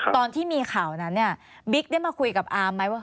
ตอนที่มีข่าวนั้นเนี่ยบิ๊กได้มาคุยกับอามไหมว่า